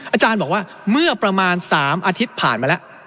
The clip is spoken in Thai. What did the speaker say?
อาจารย์บอกว่าเมื่อประมาณ๓อาทิตย์ผ่านมาแล้ว